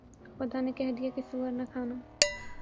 خدا نے کہہ دیا کہ سؤر نہ کھانا